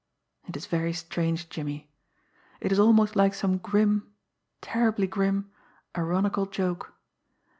It is very strange, Jimmie. It is almost like some grim, terribly grim, ironical joke.